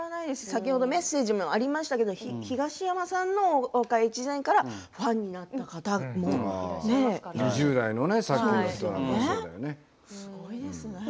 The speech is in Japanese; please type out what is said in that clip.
先ほどメッセージにもありましたけど東山さんの「大岡越前」からファンになった方いらっしゃいますからね。